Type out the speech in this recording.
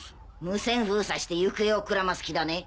無線封鎖して行方をくらます気だね。